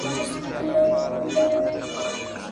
سترګي ما درته درکړي چي مي وکړې دیدنونه ,